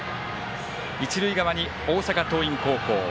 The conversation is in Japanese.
一塁側に大阪桐蔭高校。